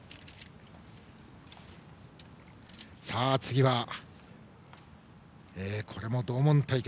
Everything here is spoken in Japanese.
次は、これも同門対決。